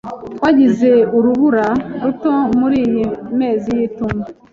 Twagize urubura ruto muriyi mezi y'itumba.